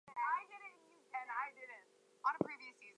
From this time on, he became one of the great generals of the age.